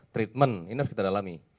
treatment ini harus kita dalami